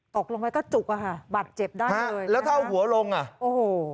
ตกลงไปก็จุกอ่ะค่ะบัตรเจ็บได้เลยแล้วถ้าเอาหัวลงอ่ะโอ้โห